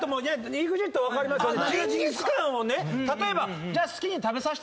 ＥＸＩＴ分かりますよね？